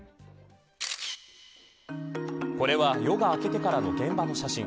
これは夜が明けてからの現場の写真。